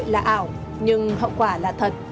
mạng xã hội là ảo nhưng hậu quả là thật